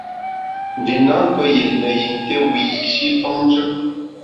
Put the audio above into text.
Nji na ntue yètne yin té wiyi’shi femnjù.